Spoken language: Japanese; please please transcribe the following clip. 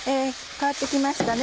変わって来ましたね。